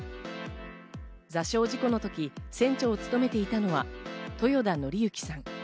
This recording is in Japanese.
座礁事故の時、船長を務めていたのは豊田徳幸さん。